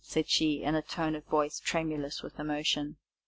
said she, in a tone of voice tremulous with emotion.